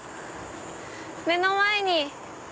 目の前に。